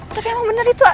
tapi emang bener itu